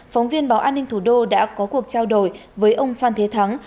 phóng viên báo an ninh thủ đô đã có cuộc trao đổi với ông phan thế thắng